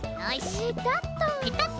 ペタッと。